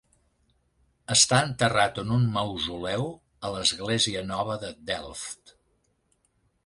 Està enterrat en un mausoleu a l'església nova de Delft.